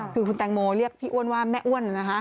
คือคุณแตงโมเรียกพี่อ้วนว่าแม่อ้วน